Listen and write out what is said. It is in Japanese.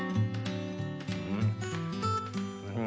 うん。